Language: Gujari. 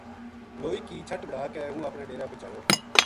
لوئی کی چھَٹ بنا کے ہوں اپنے ڈیرے پوہچایو